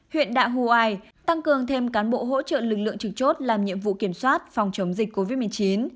huyện đạ hùa oai tăng cường thêm cán bộ hỗ trợ lực lượng trực chốt làm nhiệm vụ kiểm soát phòng chống dịch covid một mươi chín